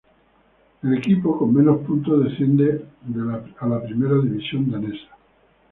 El equipo con menos puntos descienden a la Primera División Danesa.